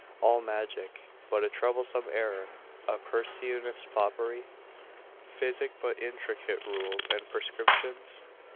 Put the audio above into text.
all magic, but a troublesome error, a pernicious foppery? physic, but intricate rules and prescriptions?